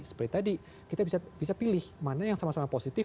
seperti tadi kita bisa pilih mana yang sama sama positif